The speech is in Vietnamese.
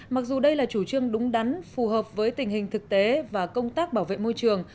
mặc dù đây là chủ trương đúng đắn phù hợp với tình hình thực tế và công tác bảo vệ môi trường